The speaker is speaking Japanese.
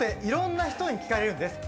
いろんな人に聞かれる。